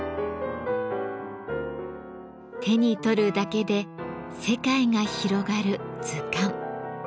手に取るだけで世界が広がる図鑑。